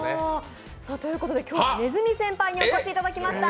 今日は鼠先輩にお越しいただきました。